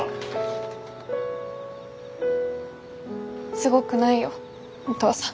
すごくないよお父さん。